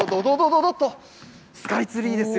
どっと、スカイツリーですよ。